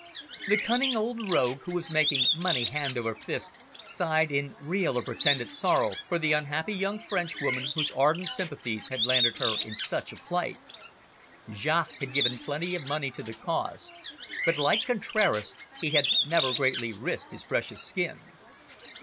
The cunning old rogue, who was making money hand over fist, sighed in real or pretended sorrow for the unhappy young Frenchwoman whose ardent sympathies had landed her in such a plight. Jaques had given plenty of money to the cause, but, like Contraras, he had never greatly risked his precious skin.